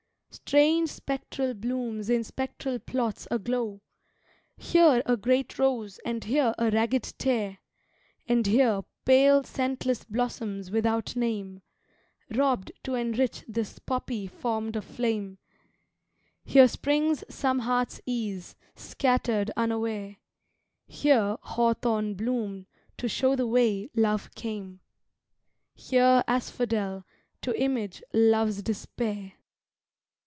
Strange spectral blooms in spectral plots aglow! Here a great rose and here a ragged tare; And here pale, scentless blossoms without name, Robbed to enrich this poppy formed of flame; Here springs some hearts'ease, scattered unaware; Here, hawthorn bloom to show the way Love came; Here, asphodel, to image Love's despair!